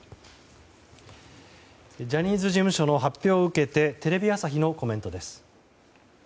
ジャニーズ事務所の発表を受けてテレビ朝日のコメントです。